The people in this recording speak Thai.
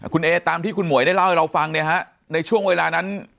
คุณเอตามที่คุณหวยได้เล่าให้เราฟังเนี่ยฮะในช่วงเวลานั้น